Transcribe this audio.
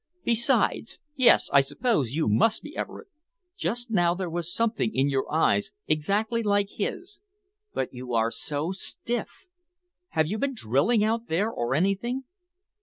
Besides Yes, I suppose you must be Everard. Just now there was something in your eyes exactly like his. But you are so stiff. Have you been drilling out there or anything?"